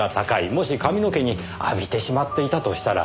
もし髪の毛に浴びてしまっていたとしたら。